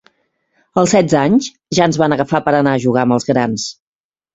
Als setze anys, ja ens van agafar per anar a jugar amb els grans.